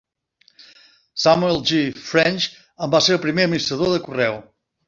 Samuel G. French en va ser el primer administrador de correu.